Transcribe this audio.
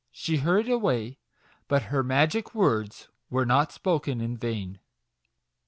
She hurried away ; but her Magic Words were not spoken in vain.